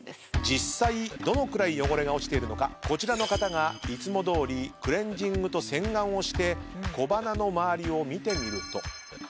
実際どのくらい汚れが落ちているのかこちらの方がいつもどおりクレンジングと洗顔をして小鼻の周りを見てみると。